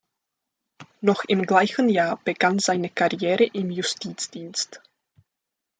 Noch im gleichen Jahr begann seine Karriere im Justizdienst.